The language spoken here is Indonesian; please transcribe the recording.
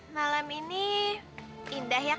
malam ini indah ya